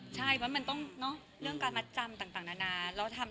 ใช่เพราะมันต้องเนอะเรื่องการมัดจำต่างนานาแล้วทำ